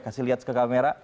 kasih lihat ke kamera